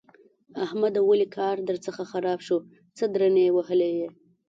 احمده! ولې کار درڅخه خراب شو؛ څه درنې وهلی يې؟!